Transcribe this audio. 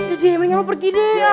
dede mendingan gue pergi deh ya